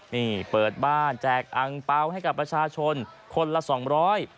นี่เปิดบ้านแจกอังเปล่าให้กับประชาชนคนละสองร้อย